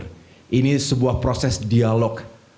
ini sebetulnya semangat ini ya bukan terjadi semalam dua malam terakhir